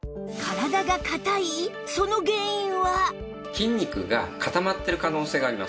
筋肉が固まっている可能性があります。